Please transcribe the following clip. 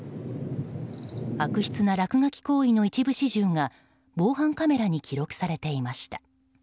悪質な落書き行為の一部始終が防犯カメラに記録されていました。